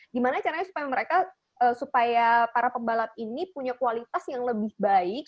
gimana caranya supaya mereka supaya para pembalap ini punya kualitas yang lebih baik